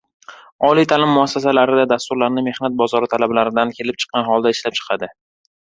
Oliy ta’lim muassasalari dasturlarini mehnat bozori talablaridan kelib chiqqan holda ishlab chiqadi